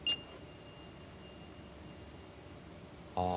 ああ。